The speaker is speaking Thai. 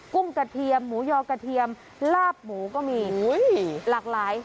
ุ้งกระเทียมหมูยอกระเทียมลาบหมูก็มีหลากหลาย